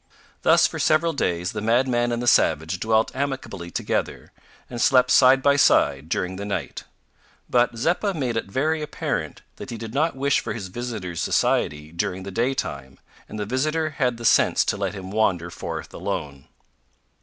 Thus, for several days, the madman and the savage dwelt amicably together, and slept side by side during the night; but Zeppa made it very apparent that he did not wish for his visitor's society during the day time, and the visitor had the sense to let him wander forth alone.